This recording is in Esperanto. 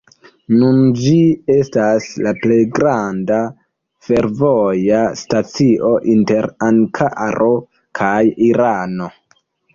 Nun ĝi estas la plej granda fervoja stacio inter Ankaro kaj Irano.